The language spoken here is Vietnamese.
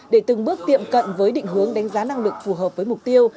để từng bước tiệm cận với định hướng đánh giá năng lực phù hợp với mục tiêu